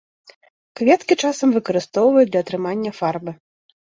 Кветкі часам выкарыстоўваюць для атрымання фарбы.